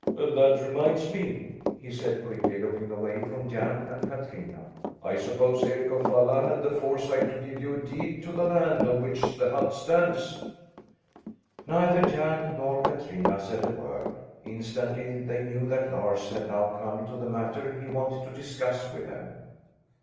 "That reminds me," he said quickly, looking away from Jan and Katrina. "I suppose Eric of Falla had the foresight to give you a deed to the land on which the hut stands?" Neither Jan nor Katrina said a word. Instantly they knew that Lars had now come to the matter he wanted to discuss with them.